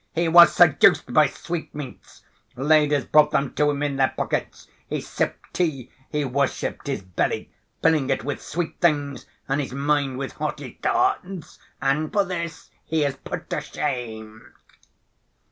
"He was seduced by sweetmeats, ladies brought them to him in their pockets, he sipped tea, he worshiped his belly, filling it with sweet things and his mind with haughty thoughts.... And for this he is put to shame...."